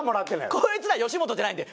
こいつら吉本じゃないんで。